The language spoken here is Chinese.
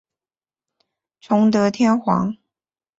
崇德天皇。